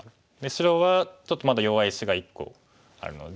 白はちょっとまだ弱い石が１個あるので。